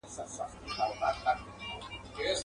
د بېلتون غم مي پر زړه باندي چاپېر سو.